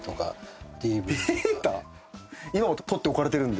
今も取っておかれてるんですか？